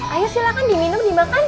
ayo silahkan diminum dimakan